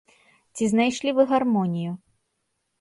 Ці знайшлі вы гармонію?